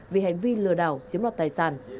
vì hành vi lừa đảo chiếm đoạt tài sản